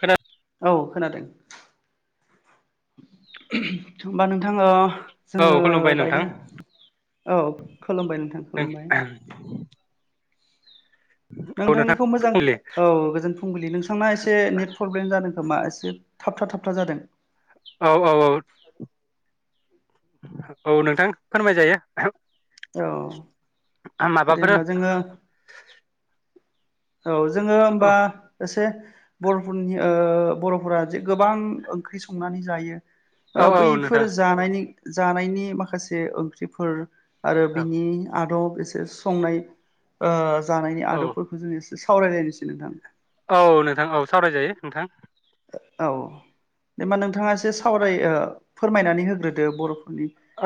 खोना औ खोनादों । होमबा नों थाङो औ जोङो खुलुमबाय नोंथां दायो औ । [unintelligible] औ नोंथां नोंथांनिखौ मोजां फुंबिलि औ गोजोन फुंबिलि नोंथांना एसे नेट प्रब्लेम जादों खोमा एसे एसे थाबथा थाबथा जादों । औ औ औ । औ नोंथां फोरमाय दायो। औ दे माबाफोर औ होमबा जोङो औ जोङो होमबा एसे बरफोरनि ओ बरफोरा जे गोबां ओंख्रि संनानै जायो ओ औ नोंथां बैफोर जानायनि जानायनि माखासे ओंख्रिफोर आरो औ बिनि आदब एसे संनाय ओ जानायनि औ आदबफोरखौ जोङो एसे सावरायलायनोसै नोंथां । औ नोंथां औ सावरायजायो नोंथां औ जेनेबा नोंथाङा एसे सावराय ओ फोरमायनानै होग्रोदो बर'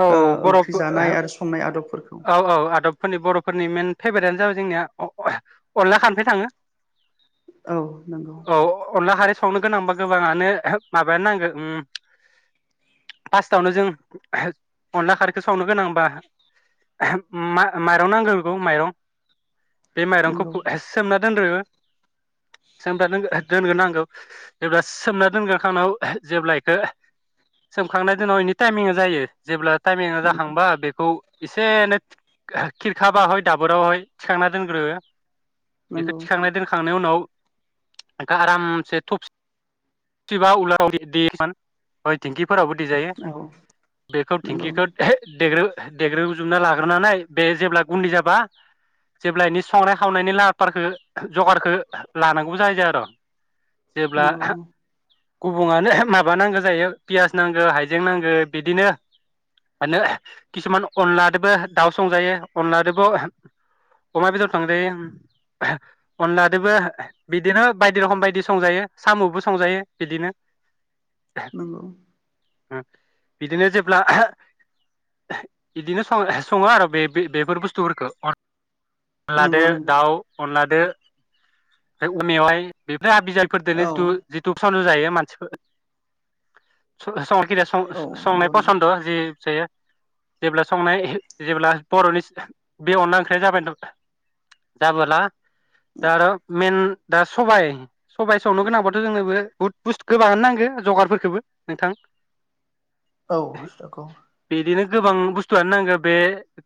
औ बर' संनाय आदबफोरखौ औ औ आदबफोरनि बर'फोरनि मेन फेभारेटानो जाबाय जोंनिया अ-अनला खानफै थाङो औ नंगौ औ अनला खारै संनो गोनांबा गोबाङानो माबायानो नांगोन उम फार्स्टआवनो जों अनला खारैखो संनो गोनांबा माइरं नांगौ बेखौ माइरं बे माइरंखौ नंगौ सोमना [unintelligible] सोम दा दोनग्रोनांगौ जेब्ला सोमना दोनग्रोखांनां जेब्ला इखौ सोमखांनाय दोनाव इनि टाइमिंआ जायो जेब्ला टाइमिंआ नंगौ जाखांबा बेखौ एसेै नों खिरखाबाहाय दाबोरावहाय थिखांना दोनग्रो बेखौ नंगौ थिखांनाय दोनखांनायनि उनाव आरामसे थफिबा उयालाव देयोमोन दिेंखिफोरावबो देजायो। औ बेखौ नंगौ थिंखिखौ देग्रो देग्रोबजोबना लाग्रोनानै बे जेब्ला गुदै जाबा जेब्ला एनि संनाय खावनायनि लाहारखौ जगारखौ लानांगौ जायो आरो जेब्ला नंगौ गुबुङानो माबा नांगौ जायो पियास नांगौ हाइजें नांगौ बिदिनो आनो किसुमान अनलादोबो दाउ संजायो अनलादोबो अमा बेदर थंजायो अनलादोबो बिदिनो बायदि रखम बायदि संजायो साम'बो संजायो बिदिनो नंगौ बिदिनो जे अब्ला बिदिनो सं-सङो आरो बे-बेफोर बुस्थुफोरखौ नंगौ अनलाजों नंगौ दाउ अनला [unintelligible] उमफाय मेवाय बे [unintelligible] आसि दाबि फोरदोनो औ जिथु जिथु जायो मानसिफोर [unintelligible] खिजाया औ सं-संनाय नंगौ नंगौ फसन्द जि जायो‌ जेब्ला संनाय जेब्ला बर'नि बे अनला ओंख्रिया जाबाय जाबोला दा आरो मेन दा सबाय सबाय संनो गोनांबाथ' जोंनोबो बहुद बुस्थु गोबाङानो नांगो जगारफोरखौबो नोंथां औ सखौ बिदिनो गोबां बुस्थुआनो नांगौ बे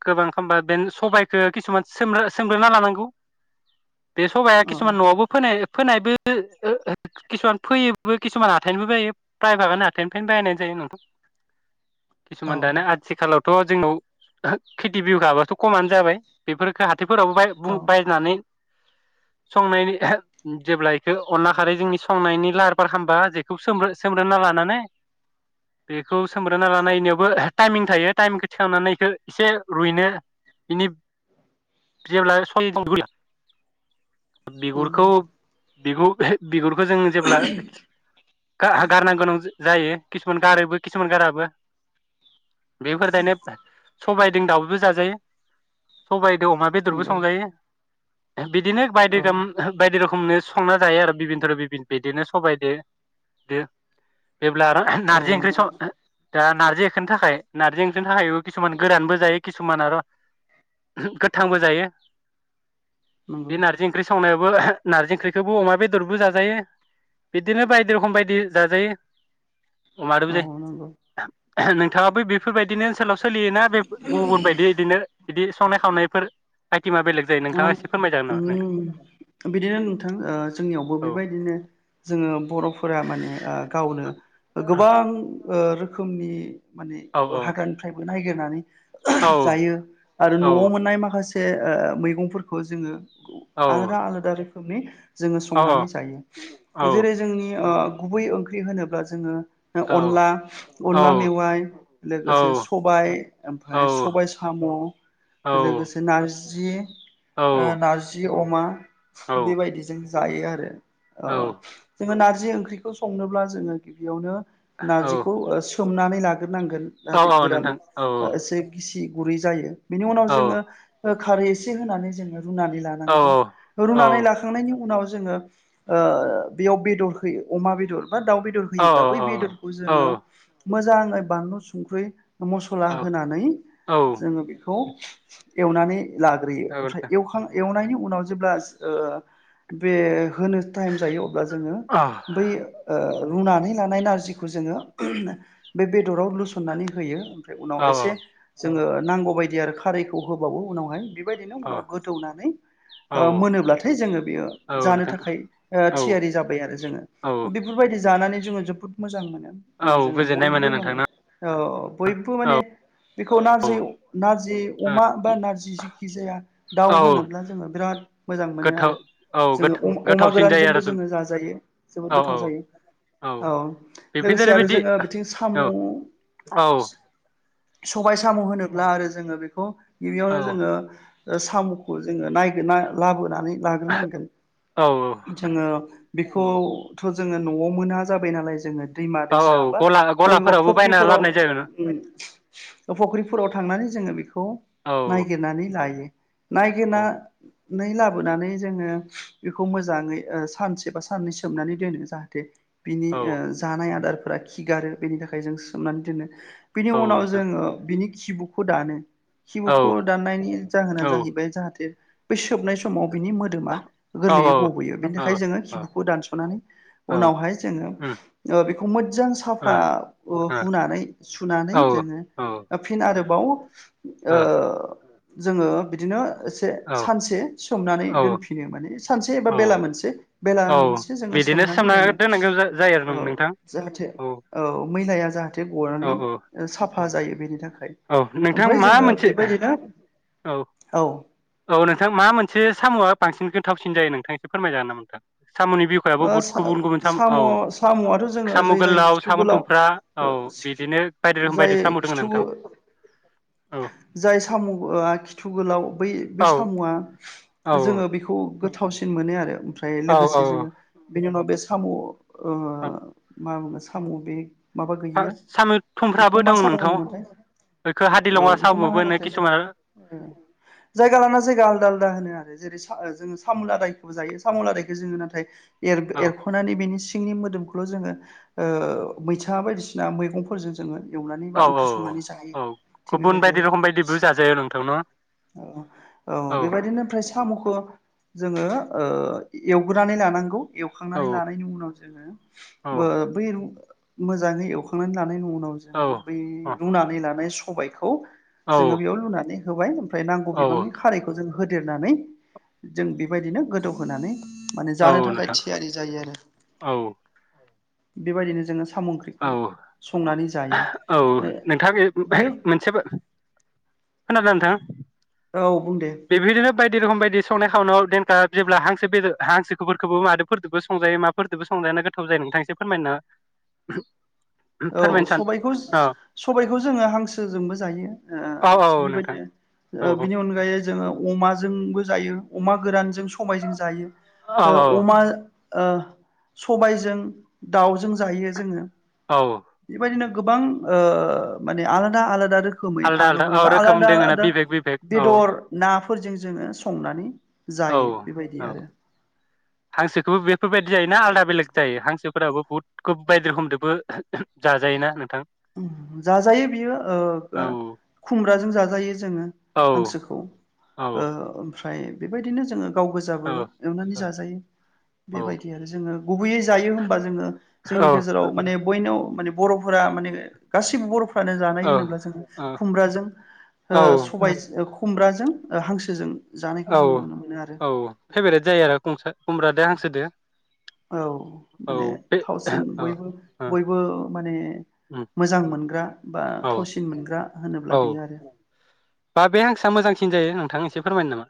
गोबां खबा बे सबायखौ खिसुमान‌ सोमग्रो सोमग्रोना लानांगौ, बे सबाया औ किसुमान न'आवबो फोनाय, फोनायबो ओ किसुमान फोयोबो किसुमान हाथायनिबो बायो प्रायभागानो हाथाइनिफ्रायनो बायनाय जायो नोंथां औ किसुमान दाना आथिखालाव, थ' जोंनाव खेथि बिहु गाबाथ' खमानो जाबाय, बेफोरफोरखो हाथाइफोरावबो बाय औ बु बायनानै संनायनि जेब्ला बेखौ अनला खारै जोंनि संनायनि लाहार फाहार आलामबा जेखौ सोमग्रोना लानानै बेखौ सोमब्रोना लानायनियावबो टाइमिं थायो टाइमिंखौ थिखांनानै बेखौ एसे रुइनो बिनि, जेब्लाय सन्दर गैया नंगौ बिगुरखौ बिखौ बिगुरखौ जोङो जेब्ला गा गारनो गोनां जायो। किसुमान गारैबो किसुमान गाराबो, बेफोर दायनोब सबायजों दाउजों जाजायो सबाय अमा बेदरबो नंगौ संजायो। बिदिनो बायदि औ रोम बायदि रोखोम समनो संनाय जायो आरो बिबिदरन बिदिनो सबायजो जेब्ला आराम औ नारजि ओंख्रि नंगौ सं दा नारजि ओंखोनि थाखाय नारजि ओंखोनि थाखायबो किसुमान गोरानबो जायो किसुमान र' गोथांबो जायो। नंगौ बे नारजि ओंख्रि संनायाव बो नारजि ओंख्रिखौबो अमा बेदरबो जाजायो बिदिनो बायदि रोखोम बायदि जाजायो अमादोबो जो औ नंगौ नोंथाङाबो बेफोरबायदिनो सोलाव सोलियोना बे गुबुन बायदि इदिनो बिदि, सनाय खावनायफोर आइटेमा बेलेग जायो नोंथाङा आम एसे फोरमायजागोन नामा नोंथां ओम बिदिनो नोंथां ओ जोंनियावबो औ बेबायदिनो जोङो बर'फोरा माने ओ गावनो गोबां ओ रोखोमनि माने औ हाग्रानिफ्रायबो नायगिरनानै औ जायो आरो औ न'आव मोननाय माखासे ए ओ ओ मै मुं फोरखौ जोङो औ आलादा आलादा रोखोमनि जोङो औ संनानै जायो औ जेरै जोंनि ओ गुबै ओंख्रि होनोब्ला जोङो, औ अनला अनला औ मेवाइ लोगोसे सबाय ओमफ्राय सबाय साम' औ लोगोसे नारजि औ [unintelligible] ओ नारजि जि अमा औ बेबायदिजों जायो आरो अ औ जोङो नार जि ओंख्रिखौ संनोब्ला जोङो गिबियावनो औ नारजिखौ ओ सोमनानै गोनांगोन औ जाहाथे औ गोरान नोंथां औ एसे गिसि गुरै जायो बिनि उनाव औ जोङो ओक खारै एसे होनानै जोङो रुनानै औ लानांगौ रुनानै लाखांनायनि उनाव ओ ओ बियाव बेदर होयो अमा बेदर बा दाउ बेदर औ होयोब्ला बै बेदरखौ औ जोङो मोजाङै बानलु संख्रि मस्ला औ होनानै औ जोङो बि खौ एवनानै लाग्रो औ ओमफ्राय नोंथां एवखां एवनायनि उनाव जेब्ला ओ बे होनो टाइम जायो अब्ला जोङो औ बै ओ रुनानै लानाय नारजिखौ जोङो बे बे दराव लुसनानै होयो उनाव औ एसे जोंङो नांगौ बायदि आरो खारैखौ होबावो उनावहाय बिबा बिनि औ उनाव गोदोवनानै ओ औ मोनोब्लाथाय जोङो बेयो ज ओ नोंथां थाखाय औ थियारि जाबाय आरो औ जोङो बेफोरबायदि जानानै जोङो जोबोद मोजां मोनो औ जोङो गोजोननाय मोनो बयबो नोंथां माने ना औ औ बयबो माने औ बेखौ औ नारजि नारजि अमा बा नारजि जिख खिजाया दाउ औ होनोब्ला जोङो बिराद मोजां मोनो गोथाव आरो औ जोङो अम अमा गोथावसिन जायो आरो गोरानजोंबो जों जोङो जाजायो जोबोद औ औ गोथाव जायो। औ बेफोरनो लोगोसे आरो ओरैबायदि जोङो बिथिं औ सामु औ सबाय साम होनोब्ला आरो जोङो बेखौ औ गिबियावनो जोङो ओ साम'खौ जोङो नायगिरना लाबोनानै लाग्रोनांगोन। औ जोङो बेखौथ' जोङो न'आव मोना जाबाय नालाय जोङो दैमा औ औ दैसा बा गला बबेबा गलाफोरावबो बायना फख्रिफोराव लाबोनाय जागोन उम फख्रिफोराव थांनानै जोङो बेखौ औ नायागिरनानै लाय [unintelligible] नायगिरना औ नै लाबोनानै जोङो बेखौ मोजाङै ओ सानसे बा साननै सोमनानै दोनो जाहाथे बिनि औ ओ जानाय आदार फोरा खिगारो बेनि थाखाय जों सोमनानै दोनो। बिनि औ उनाव नोंथां जोङो बिनि खिबुखौ दानो। खिबुखौ औ दानायनि औ जाहोना जाहैबाय जाहाथे बे सोबनाय समाव बिनि मोदोमा गोरलैयै गयो बेनि औ थाखाय जोङो औ खिबुखौ दानसनानै औ उनावहाय जोङो उम ओ बे खौ मोद जां ओ साफा ओ औ हुनानै सुनानै ओ जोङो औ फिन आरो बाव ओ जोङो बिदिनो एसे औ सानसे सोमनानै दोनफिनो माने सानसे एबा औ बेला मोनसे बेला औ मोनसे जोङो बिदिनो सोमनानै सोमना दोनो। दोननांगौ जा- जायो आरो औ नोंथां जाहाथे औ मैलाया जाहाथे औ गनानै औ ओ साफा जायो बेनि थाखा औ य। नोंथां ओमफ्राय मा जोङो मोनसे बेबायदिनो औ। औ नोंथां मा मोनसे साम'आ बांसिन खोन्थावसिन जायो नोंथांङा फोरमायजागोन ना नोंथां? साम'नि बिखयाबो ओ बुहुत सा गुबुन गुबुन साम' औ साम'आथ' जोङो साम' जाय जाय गोलाव खिथु साम' गोलाव थुमफ्रा औ बिदिनो बायदि रोखोम जाय बायदि साम' दोङो खिथु नोंथां औ जाय साम'या खिथु गोलाव बै बै औ सामया औ जोङो बेखौ गोथां थावसिन मोनो आरो ओमफ्राय औ लोगोसे औ जोङो बिनि उनाव बे साम' ओ मा बुङो साम' बे माबा औ गैयिया साम' थुमफ्राबो बेखौ मा दं साम नोंथां होनोमोनथाय बेखौ हादिलङा औ बेखौ मा साम'बो होनो होनोथाय किसुमान ओ जायगा लाना जायगा आलदा आलदा होनो आरो जेरै जोङो सामुलादायखौबो जायो सामुलादायखौ जोङो नाथाय एर औ एरखनानै बिनि सिंनि मोदोमखौल' जोङो मैथा बायदिसिना मैगंफोरजों जोङो एवनानै बा औ औ ओंख्रि संनानै जाहायो औ थिग गुबुन बेबायदि बायदि आरो रोखोम बायदिबो जाजायो नोंथां न' औ औ बेबायदिनो ओमफ्राय सामखो जोङो एवग्रोनानै लानांगौ औ एवखांनानै लानायनि उनाव जोङो औ ओ बै मोजाङै एवखांनानै लानाय न'वाव औ जोङो बै रुनानै लानाय सबायखौ औ जोङो बेयाव लुनानै होबाय ओमफ्राय नांगौ औ बिबांनि खारैखौ जोङो होदेरनानै जों बेबायदिनो गोदौहोनानै माने औ जानो थाखाय नोंथां थियारि जायो आरो औ बेबायदिनो जोङो साम' ओंख्रिखौ औ संनानै जायो औ नोंथाङा बे बियो मोनसे खोनादोंना नोंथां औ बुं दे बिबायदिनो बायदि रोखोम बायदि संनाय खावनायाव देनखा जेब्ला हांसो बेद हांसोफोरखौबो मादोफोरजोंबो संजायो माफोरजोंबो संजायाना गोथाव जायो नोंथांसो फोरमायनो [inaudible] औ सान सबायखौ औ सबायखौ जोङो हांसोजोंबो जायो औ थिग औ नोंथां बेबायदिनो औ बिनि अनगायै जोङो अमाजोंबो जायो अमा गोरानजों समबायजों जायो औ औ ओ अमा ओ सबायजों दाउजों जायो जोङो औ बेबायदिनो गोबां माने आलादा आलादा रोख खोमै आलदा आलदा आदबै औ बा रोखोम आलादा दोङोना आलादा बिबेक बिबेक औ बेदर नाफोरजों जोङो संनानै औ जायो बेबायदि औ आरो हांसोखौबो बेफोरबायदि जायोना आलादा बेलेग जायो हांसोफोराबो बहुदखौ बायदि रोखोमदोबो जाजायोना। नोंथां जाजायो बियो औ ओ खुमब्राजों जाजा जायो। जोङो औ हांसोखौ औ ओ। ओमफ्राय बेबायदिनो जोङो। गाव गोजाबो औ एवनानै जाजायो औ बेबायदि आरो जोङो गुबैयै जायो होनबा जोङो जोंनि औ गेजेराव माने बयनाव माने बरफोरा माने गासिबो बर' फानो जानाय औ होनोब्ला जों खुमब्राजों ओ औ सबाय खुमब्राजों हांसोजों जानायखौ औ जोङो नुनो मोनो आरो औ फेभारेट जायो आरो खुमसा खुमब्राजों हांसोदों औ माने थावसिन औ बयबो ओ बयबो माने उम मोजां मोनग्रा बा औ थावसिन मोनग्रा होनोब्ला बियो आरो! बाबे हांसा मोजांसिन जायो नोंथां एसे फोरमायनो नामा।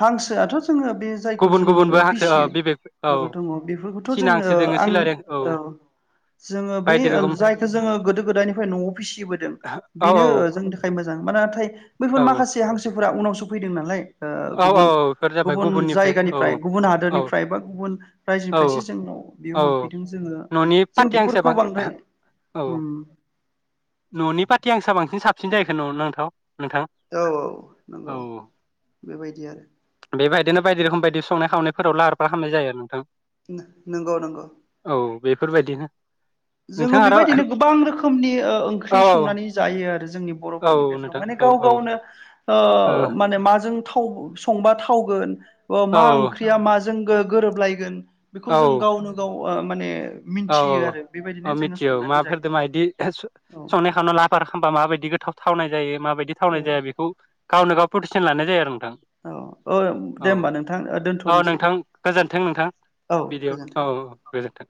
हांसोआथ' जोङो बे जायखौ गुबुन जोङो गुबुनबो न'आव हांसो औ फिसियो बिबेक औ दङ बेफोरखौथ' सिना जोङो हांसो ओ दोङो आं सिलारि औ जोङो बे बायदि रोखोम जायखौ जोङो गोदो गोदायनिफ्राय न'आव फिसिबोदों औ बेनो औ जोंनि थाखाय मोजां। मानोथाय बैफोर औ माखासे हांसो फुरा उनावसो फैदों नालाय ओ। औ औ गुबुन बेफोर जाबाय गुबुन गुबुननिफ्राय औ जायगानिफ्राय गुबुन औ हादोरनिफ्राय बा गुबुन औ राज्योनिफ्राय सो जोंनाव बेयाव औ मोनफैदों जोङो न'नि जों पाटि हांसोआ बेफोरखौ बां बांद्राय औ न'नि पाटि हांसोआ [unintelligible] औ औ नंगौ औ बेबायदि बिदि आरो। बेबायदिनो बायदि रोखोम बायदि संनाय खावनायफोराव लाहार फाहामनाय जायो आरो नोंथां। नंगौ नंगौ। औ बेफोरबायदिनो। जोङो नोंथाङा आरो बेबायदिनो गोबां रोखोमनि ओ ओंख्रि औ संनानै जायो आरो जोंनि औ बर'फोरनि गेजेराव नोंथां माने औ गाव औ ओ गावनो ओ माने माजों। संबा थावगोन अमा औ ओंख्रिया मा जों गो गोरोबलायगोन बेखौ औ जों गावनो गाव माने मिनथियो आरो अ बेबायदिनो जोङो मिथियो संनानै जायो माफोरदों मा बिदि औ संनाय खावनायाव लाहार लाफार खालामबा माबायदि बिदि गोथाव थावनाय जायो माबायदि औ थावनाय जाया बेखौ गावनो गाव लानाय जायो आरो औ औ ओ दे होमबा नोंथां औ औ दोनथ'नोसै नोंथां गोजोन्थों नोंथां औ बिदियाव गोजोन्थों औ दे औ गोजोन्थों